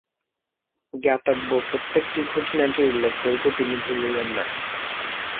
জ্ঞাতব্য প্রত্যেকটি খুঁটিনাটির উল্লেখ করিতে তিনি ভুলিলেন না।